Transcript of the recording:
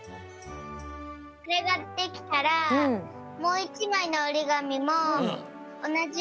これができたらもう１まいのおりがみもおなじようにおってね。